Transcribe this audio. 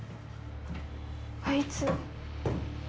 あいつ。